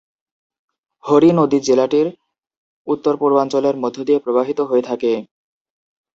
হরি নদী জেলাটির উত্তর-পূর্বাঞ্চলের মধ্য দিয়ে প্রবাহিত হয়ে থাকে।